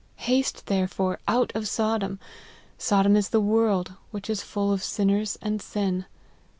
Haste, therefore, out of Sodom. Sodom is the world, which is full of sinners and sin.